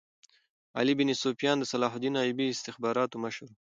علي بن سفیان د صلاح الدین ایوبي د استخباراتو مشر وو.